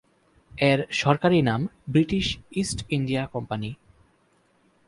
এর সরকারি নাম "ব্রিটিশ ইস্ট ইন্ডিয়া কোম্পানি"।